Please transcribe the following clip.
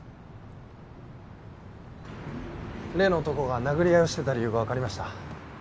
例の男が殴り合いをしてた理由がわかりました。